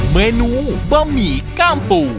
เมนูบะหมี่ก้ามปู